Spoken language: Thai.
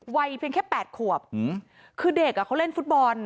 วัยเพียงแค่๘ขวบคือเด็กอ่ะเขาเล่นฟุตบอล